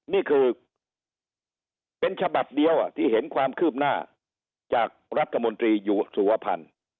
นี่คือเป็นฉบับเดียวที่เห็นความคืบหน้าจากรัฐมนตรีอยู่สุวพันธ์